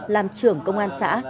làm trưởng công an xã